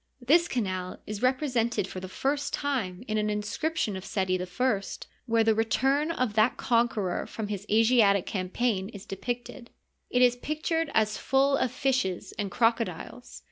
This canal is repre sented for the first time in an inscription of Seti I, where the return of that conqueror from his Asiatic campaign is depicted. It is pictured as full of fishes and crocodiles.